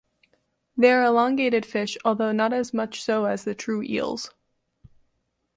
They are elongated fish, although not as much so as the true eels.